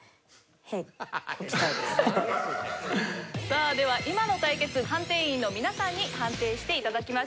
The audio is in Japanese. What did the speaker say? さあでは今の対決判定員の皆さんに判定して頂きましょう。